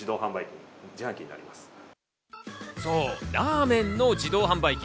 そう、ラーメンの自動販売機。